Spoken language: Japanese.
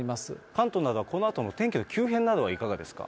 関東などはこのあとの天気の急変など、いかがですか。